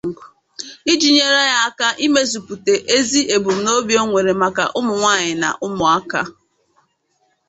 iji nyere ya aka imezùpùtè ezi ebumnobi o nwere maka ụmụnwaanyị na ụmụaka